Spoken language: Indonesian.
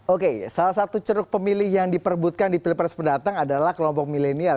oke salah satu ceruk pemilih yang diperbutkan di pilpres mendatang adalah kelompok milenial